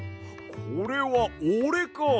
これはおれか！